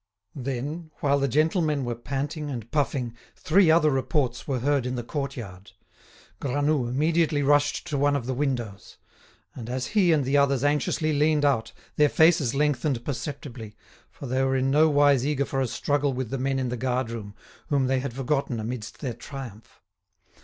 Then, while the gentlemen were panting and puffing, three other reports were heard in the courtyard. Granoux immediately rushed to one of the windows. And as he and the others anxiously leaned out, their faces lengthened perceptibly, for they were in nowise eager for a struggle with the men in the guard room, whom they had forgotten amidst their triumph.